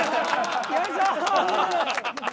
よいしょ！